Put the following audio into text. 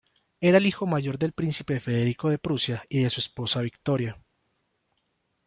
Era el hijo mayor del Príncipe Federico de Prusia y de su esposa, Victoria.